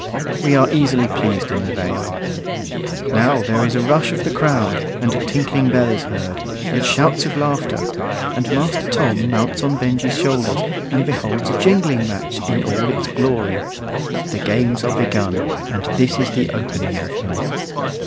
We are easily pleased in the Vale. Now there is a rush of the crowd, and a tinkling bell is heard, and shouts of laughter; and Master Tom mounts on Benjy's shoulders, and beholds a jingling match in all its glory. The games are begun, and this is the opening of them.